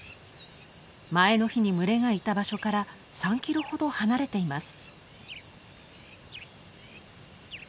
前の日に群れがいた場所から３キロほど離れています。